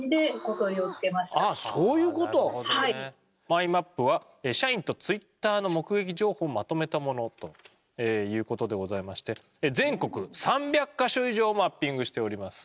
マイマップは社員とＴｗｉｔｔｅｒの目撃情報をまとめたものという事でございまして全国３００カ所以上マッピングしております。